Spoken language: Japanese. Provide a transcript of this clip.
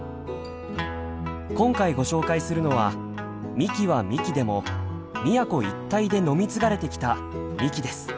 今回ご紹介するのは「みき」は「みき」でも宮古一帯で飲み継がれてきた「みき」です。